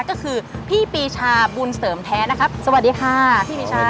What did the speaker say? ก็คือพี่ปีชาบุญเสริมแท้นะครับสวัสดีค่ะพี่ปีชา